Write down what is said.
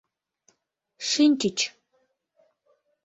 Шинчыч.